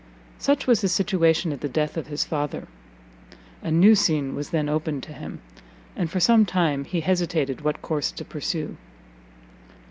Such was his situation at the death of his father; a new scene was then opened to him, and for some time he hesitated what course to pursue.